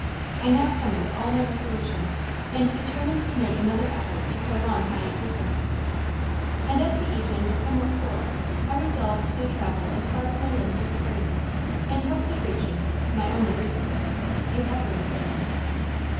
I now summoned all my resolution, and determined to make another effort to prolong my existence. And as the evening was somewhat cool, I resolved to travel as far as my limbs would carry me, in hopes of reaching (my only resource) a watering place.